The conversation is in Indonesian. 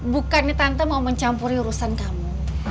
bukannya tante mau mencampuri urusan kamu